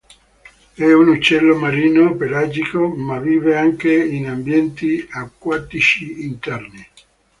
È un uccello marino pelagico, ma vive anche in ambienti acquatici interni.